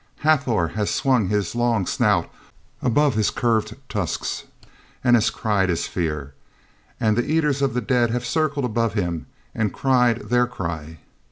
Hathor has swung his long snout above his curved tusks and has cried his fear, and the Eaters of the Dead have circled above him and cried their cry.